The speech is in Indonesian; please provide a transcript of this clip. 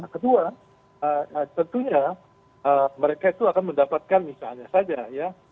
kedua tentunya mereka itu akan mendapatkan misalnya saja ya